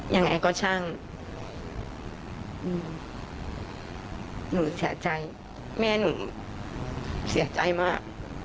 ยังไงก็ช่างหนูเสียใจแม่หนูเสียใจมาก